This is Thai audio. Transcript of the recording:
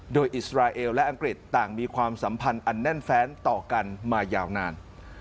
โดยอิสราเอลและอังกฤษต่างมีความสัมพันธ์อันแน่นแฟนต่อกันมายาวนาน